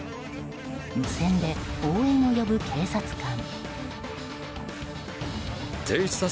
無線で応援を呼ぶ警察官。